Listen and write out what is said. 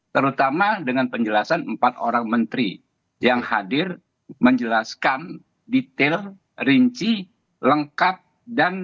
terutama dengan penjelasan empat orang menteri yang hadir menjelaskan detail rinci lengkap dan